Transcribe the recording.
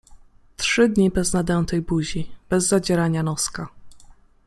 Trzy dni bez nadętej buzi, bez zadzierania noska.